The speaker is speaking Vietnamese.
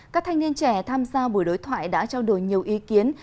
các thanh niên trẻ tham gia buổi đối thoại đã trao đổi nhiều ý kiến